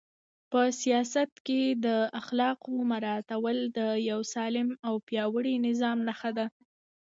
په سیاست کې د اخلاقو مراعاتول د یو سالم او پیاوړي نظام نښه ده.